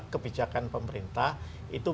kebijakan pemerintah itu